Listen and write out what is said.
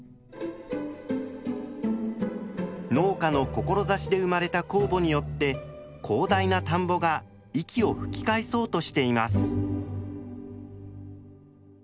農家の志で生まれた酵母によって広大な田んぼが息を吹き返そうとしています。